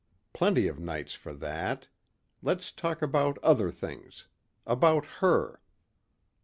Plenty of nights for that. Let's talk about other things. About her."